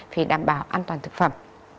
phải đảm bảo an toàn thực phẩm